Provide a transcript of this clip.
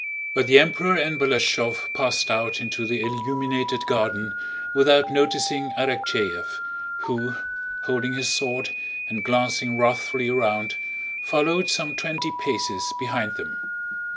But the Emperor and Balashëv passed out into the illuminated garden without noticing Arakchéev who, holding his sword and glancing wrathfully around, followed some twenty paces behind them.